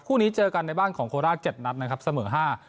คู่นี้เจอกันในบ้านของโคราชเจ็ดนัดนะครับเสมอห้า